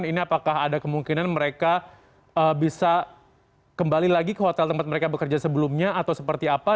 dan ini apakah ada kemungkinan mereka bisa kembali lagi ke hotel tempat mereka bekerja sebelumnya atau seperti apa